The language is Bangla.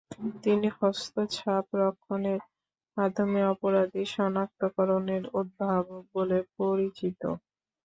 তিনি হস্তছাপ রক্ষনের মাধ্যমে অপরাধী সনাক্তকরনের উদ্ভাবক বলে পরিচিত।